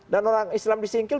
dan orang islam disingkil